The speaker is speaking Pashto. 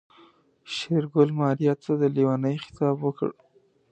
شېرګل ماريا ته د ليونۍ خطاب وکړ.